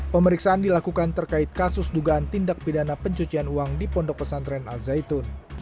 pemeriksaan dilakukan terkait kasus dugaan tindak pidana pencucian uang di pondok pesantren al zaitun